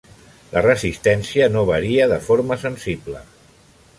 La resistència no varia de forma sensible.